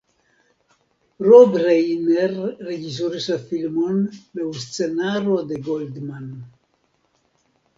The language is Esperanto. Rob Reiner reĝisoris la filmon laŭ scenaro de Goldman.